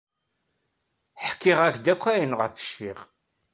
Ḥkiɣ-ak-d akk ayen ayɣef cfiɣ.